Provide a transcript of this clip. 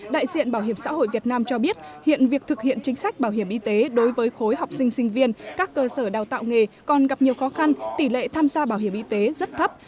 đại diện bảo hiểm xã hội việt nam cho biết hiện việc thực hiện chính sách bảo hiểm y tế đối với khối học sinh sinh viên các cơ sở đào tạo nghề còn gặp nhiều khó khăn tỷ lệ tham gia bảo hiểm y tế rất thấp